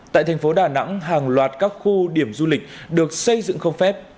tại thành phố đà nẵng hàng loạt các khu điểm du lịch được xây dựng không phép